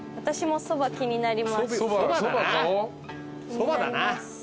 そばだな。